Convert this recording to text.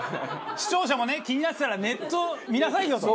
視聴者もね気になってたらネット見なさいよと。